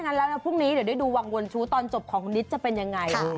เออนั่นแล้วพรุ่งนี้เดี๋ยวดูวังวนชู้ตอนจบของนิสจะเป็นยังไง